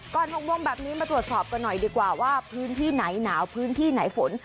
๖โมงแบบนี้มาตรวจสอบกันหน่อยดีกว่าว่าพื้นที่ไหนหนาวพื้นที่ไหนฝน